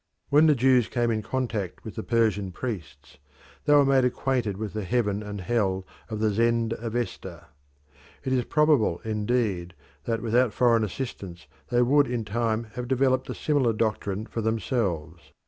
When the Jews came in contact with the Persian priests they were made acquainted with the heaven and hell of the Zend Avesta. It is probable, indeed, that without foreign assistance they would in time have developed a similar doctrine for themselves.